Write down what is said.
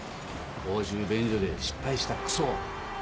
公衆便所で失敗したクソ。